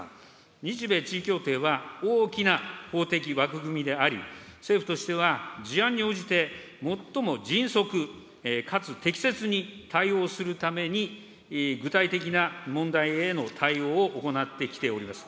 日米地位協定は大きな公的枠組みであり、政府としては事案に応じて最も迅速かつ適切に対応するために、具体的な問題への対応を行ってきております。